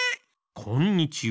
こんにちは。